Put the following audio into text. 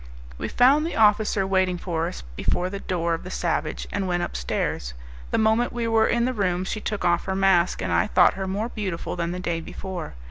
We found the officer waiting for us before the door of "The Savage," and went upstairs. The moment we were in the room, she took off her mask, and I thought her more beautiful than the day before.